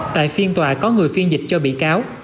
tại phiên tòa có người phiên dịch cho bị cáo